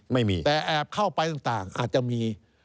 ไม่มีแต่แอบเข้าไปต่างอาจจะมี